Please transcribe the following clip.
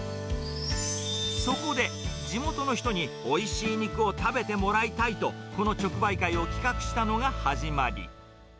そこで、地元の人においしい肉を食べてもらいたいと、この直売会を企画したのが始まり。